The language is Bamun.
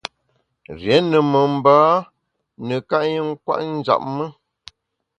Rié ne mamba neka i nkwet njap me.